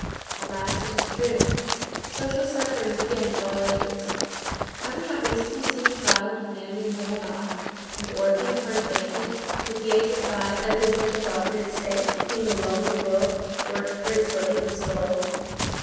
Alas! it is true. Social suffering begins at all ages. Have we not recently seen the trial of a man named Dumollard, an orphan turned bandit, who, from the age of five, as the official documents state, being alone in the world, "worked for his living and stole"?